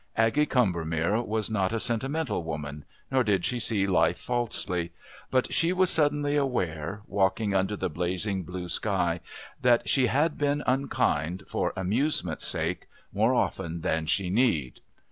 Aggie Combermere was not a sentimental woman, nor did she see life falsely, but she was suddenly aware, walking under the blazing blue sky, that she had been unkind, for amusement's sake, more often than she need....